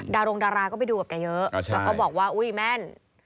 ดารงดาราก็ไปดูกับแกเยอะแล้วก็บอกว่าอุ้ยแม่น